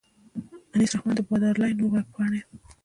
انیس الرحمن له باډرلاین وېبپاڼې.